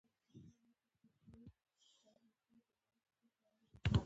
معده په ساعت دوه لیټره اسید جوړوي.